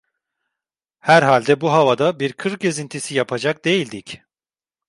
Herhalde bu havada bir kır gezintisi yapacak değildik.